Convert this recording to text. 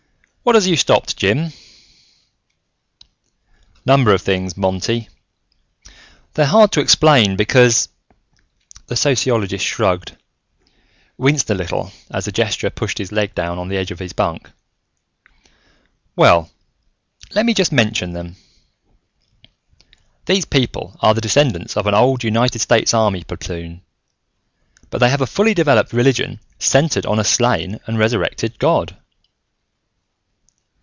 "What has you stopped, Jim?" "Number of things, Monty. They're hard to explain because " the sociologist shrugged, winced a little as the gesture pushed his leg down on the edge of his bunk "well, let me just mention them. "These people are the descendants of an old United States Army platoon, yet they have a fully developed religion centered on a slain and resurrected god.